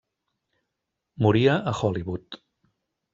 Moria a Hollywood.